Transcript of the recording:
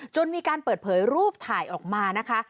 มีการเปิดเผยรูปถ่ายออกมานะคะ